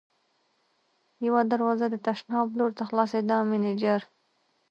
یوه دروازه د تشناب لور ته خلاصېده، مېنېجر.